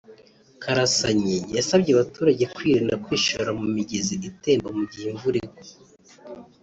Karasanyi yasabye abaturage kwirinda kwishora mu migezi itemba mu gihe imvura igwa